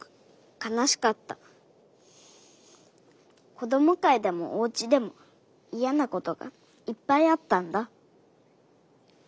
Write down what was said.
子供会でもおうちでも嫌なことがいっぱいあったんだ。